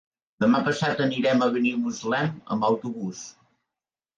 Demà passat anirem a Benimuslem amb autobús.